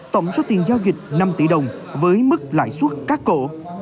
tổng số tiền giao dịch năm tỷ đồng với mức lãi suất cắt cổ